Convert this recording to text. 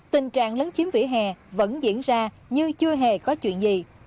tình trạng lấn chiếm vỉa hè vẫn diễn ra như chưa hề có chuyện gì